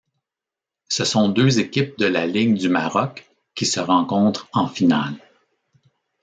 Ce sont deux équipes de la Ligue du Maroc qui se rencontrent en finale.